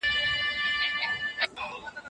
تر بچو پوري خواړه یې رسوله